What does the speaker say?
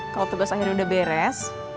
kalau tugas akhirnya udah beres